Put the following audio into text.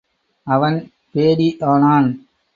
அவன் பேடி ஆனான்.